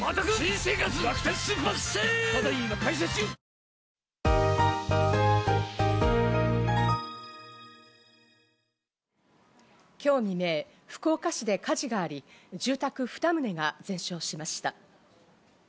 六冠達成は、今日未明、福岡市で火事があり、住宅２棟が全焼しました。